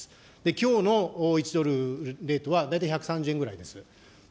きょうの１ドルレートは大体１３０円ぐらいです。